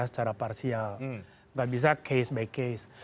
secara parsial nggak bisa case by case